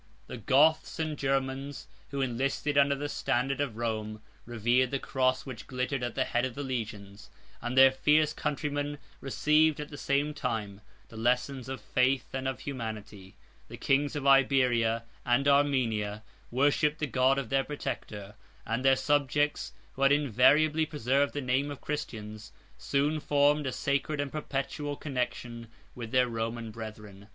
76 The Goths and Germans, who enlisted under the standard of Rome, revered the cross which glittered at the head of the legions, and their fierce countrymen received at the same time the lessons of faith and of humanity. The kings of Iberia and Armenia76a worshipped the god of their protector; and their subjects, who have invariably preserved the name of Christians, soon formed a sacred and perpetual connection with their Roman brethren.